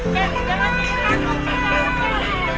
jalan jalan men